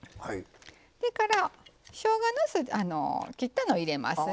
それから、しょうがの切ったのを入れますね。